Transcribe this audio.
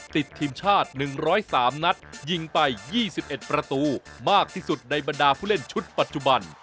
ติดทีมชาติ๑๐๓นัดยิงไป๒๑ประตูมากที่สุดในบรรดาผู้เล่นชุดปัจจุบัน